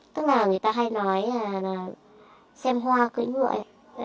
tức là người ta hay nói là xem hoa cưỡ ngựa